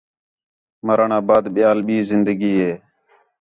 مرݨ آ بعد ٻِیال ٻئی زندگی ہے